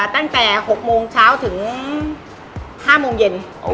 ตั้งแต่๖โมงเช้าถึง๕โมงเย็น